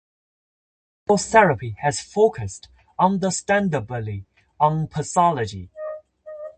Psychotherapy has focused, understandably, on pathology.